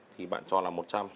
thì bạn cho là một trăm linh